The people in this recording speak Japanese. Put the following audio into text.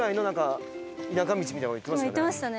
言ってましたね。